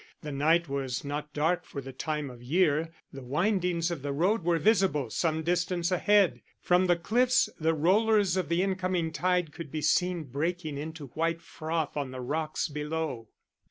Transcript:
The night was not dark for the time of year; the windings of the road were visible some distance ahead: from the cliffs the rollers of the incoming tide could be seen breaking into white froth on the rocks below.